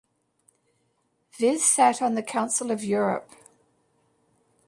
Vis sat on the Council of Europe.